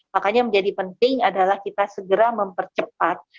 makanya menjadi penting adalah kita segera mempercepat